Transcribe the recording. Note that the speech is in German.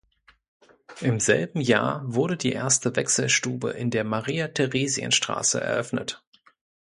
Im selben Jahr wurde die erste Wechselstube in der Maria-Theresien-Straße eröffnet.